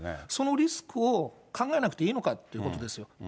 そのリスクを考えなくていいのかっていうことですよ。